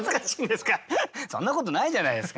そんなことないじゃないですか！